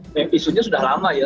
mpc nya sudah lama ya